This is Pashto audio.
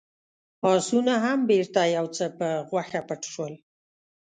آسونه هم بېرته يو څه په غوښه پټ شول.